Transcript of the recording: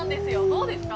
どうですか？